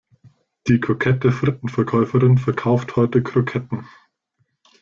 Die kokette Frittenverkäuferin verkauft heute Kroketten.